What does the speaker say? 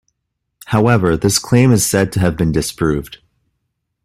However this claim is said to have been disproved.